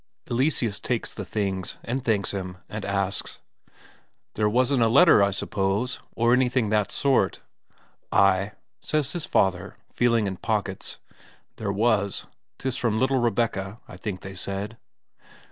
Eleseus takes the things, and thanks him, and asks: "There wasn't a letter, I suppose, or anything that sort?" "Ay," says his father, feeling in pockets, "there was. 'Tis from little Rebecca I think they said."